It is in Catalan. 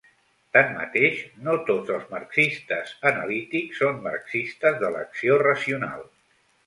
Tanmateix, no tots els marxistes analítics són marxistes d'elecció racional.